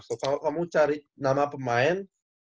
so kalau kamu cari nama pemain